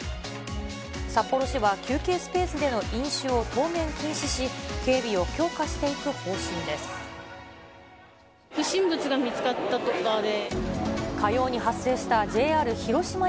札幌市は休憩スペースでの飲酒を当面禁止し、警備を強化していく不審物が見つかったとかで。